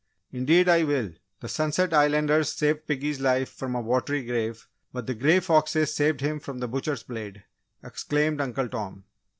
"Indeed, I will! The Sunset Islanders saved piggy's life from a watery grave, but the Grey Foxes saved him from the butcher's blade!" exclaimed Uncle Tom.